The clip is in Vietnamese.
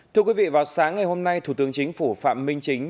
thưa quý vị vào sáng ngày hôm nay thủ tướng chính phủ phạm minh chính